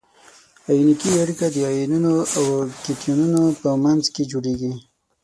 ایوني اړیکه د انیونونو او کتیونونو په منځ کې جوړیږي.